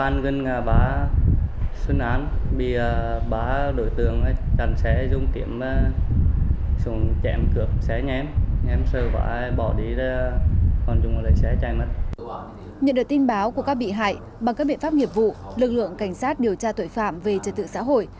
nhận được báo của các bị hại bằng các biện pháp nghiệp vụ lực lượng cảnh sát điều tra tội phạm về trật tự xã hội